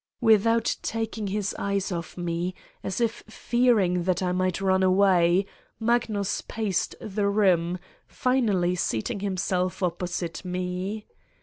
Without taking his eyes off me, as if fearing that I might run away, Magnus paced the room, finally seating himself opposite Me.